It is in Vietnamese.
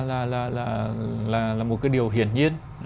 là một cái điều hiển nhiên